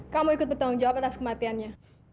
kamu ikut bertanggung jawab atas kematiannya